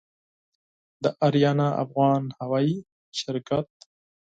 د آریانا افغان هوايي شرکت